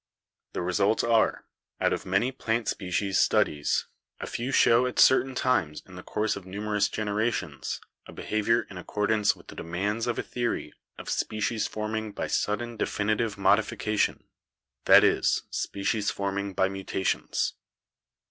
The results are: out of many plant species studies a few show at certain times in the course of numerous generations a behavior in accordance with the demands of a theory of species forming by sudden definitive modification ; that is, species forming by mutations.